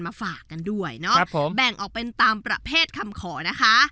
ฝากกันด้วยเนาะแบ่งออกเป็นตามประเภทคำขอนะคะ